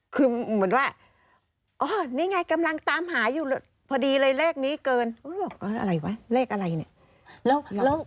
คือเหมือนว่าอ๋อนี่ไงกำลังตามหาอยู่พอดีเลยเลขนี้เกินบอกอะไรวะเลขอะไรเนี่ย